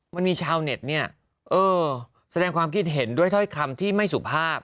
มันมีชาวเน็ตเนี่ยเออแสดงความคิดเห็นด้วยถ้อยคำที่ไม่สุภาพ